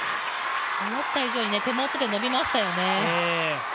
思った以上に手元で伸びましたよね。